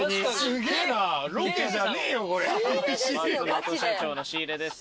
松本社長の仕入れです。